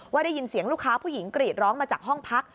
ได้ยินเสียงลูกค้าผู้หญิงกรีดร้องมาจากห้องพัก